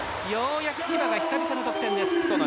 ようやく千葉が久々の得点です。